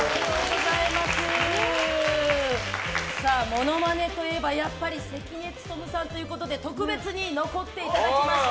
モノマネといえばやっぱり関根勤さんということで特別に残っていただきました。